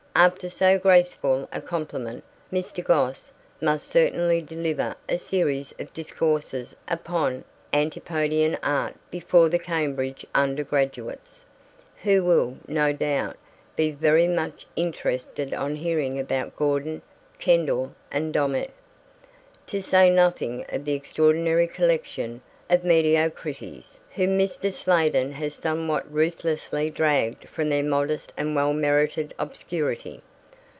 After so graceful a compliment Mr. Gosse must certainly deliver a series of discourses upon Antipodean art before the Cambridge undergraduates, who will, no doubt, be very much interested on hearing about Gordon, Kendall and Domett, to say nothing of the extraordinary collection of mediocrities whom Mr. Sladen has somewhat ruthlessly dragged from their modest and well merited obscurity.